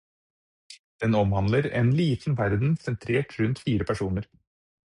Den omhandler en liten verden sentrert rundt fire personer.